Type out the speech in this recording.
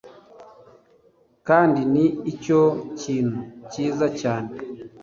kandi ni cyo kintu cyiza cyane